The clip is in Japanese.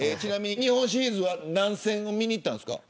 日本シリーズは何戦を見に行ったんですか。